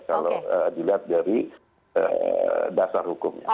kalau dilihat dari dasar hukumnya